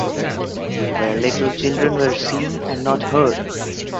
Where little children were seen and not heard.